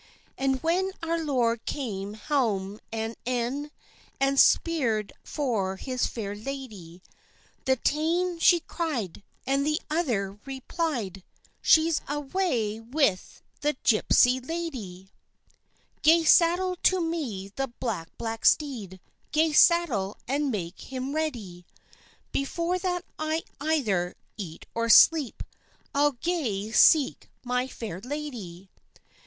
And when our lord came hame at e'en, And spier'd for his fair lady, The tane she cry'd, and the other reply'd, "She's awa' wi' the gypsy laddie!" "Gae saddle to me the black black steed, Gae saddle and make him ready; Before that I either eat or sleep, I'll gae seek my fair lady."